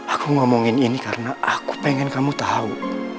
aku ngomongin ini karena aku pengen kamu tahu